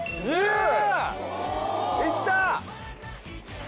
いった！